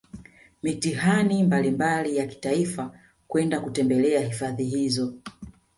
mitihani mbalimbali ya kitaifa kwenda kutembelea Hifadhi hizo